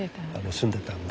住んでたんで。